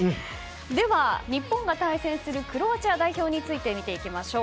では、日本が対戦するクロアチア代表について見ていきましょう。